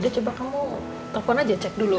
udah coba kamu telfon aja cek dulu